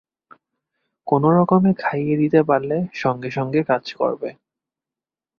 কোনো রকমে খাইয়ে দিতে পারলে সঙ্গে-সঙ্গে কাজ করবে।